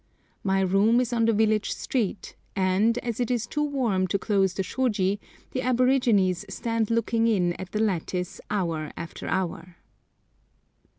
My room is on the village street, and, as it is too warm to close the shôji, the aborigines stand looking in at the lattice hour after hour.